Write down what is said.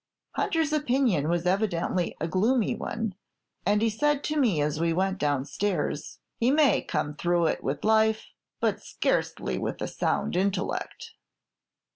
Hunter's opinion was evidently a gloomy one, and he said to me as we went downstairs, 'He may come through it with life, but scarcely with a sound intellect.'